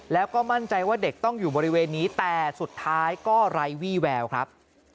แล้วก็มั่นใจว่าเด็กต้องอยู่บริเวณนี้แต่สุดท้ายก็ไร้วี่แววครับ